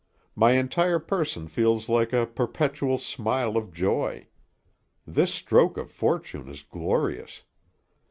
My entire person feels like a perpetual smile of joy. This stroke of fortune is glorious.